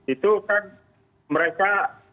itu kan mereka